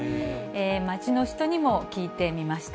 街の人にも聞いてみました。